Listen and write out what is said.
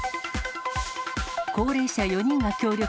高齢者４人が協力。